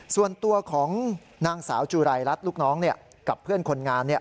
ส่วนตัวของนางสาวจุรายรัฐลูกน้องกับเพื่อนคนงาน